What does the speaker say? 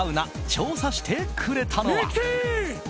調査してくれたのは。